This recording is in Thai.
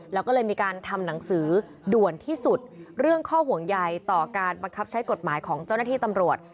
แล้วก็เลยมีการทำหนังสือด่วนที่สุดเรื่องข้อห่วงใยต่อการบังคับใช้กฎหมายของเจ้าหน้าที่ตำรวจ